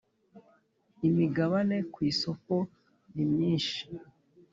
Imigabane ku isoko nimyishi.